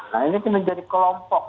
nah ini menjadi kelompok